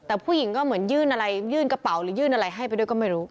แต่ผู้หญิงก็เหมือนยื่นอะไรยื่นกระเป๋าหรือยื่นอะไรให้ไปด้วยก็ไม่รู้